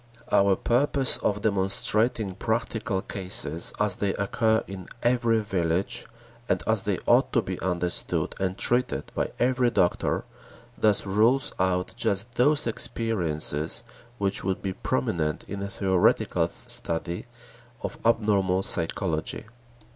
Our purpose of demonstrating practical cases as they occur in every village, and as they ought to be understood and treated by every doctor, thus rules out just those experiences which would be prominent in a theoretical study of abnormal psychology.